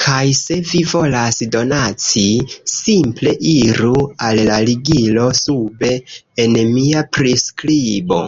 Kaj se vi volas donaci, simple iru al la ligilo sube en mia priskribo.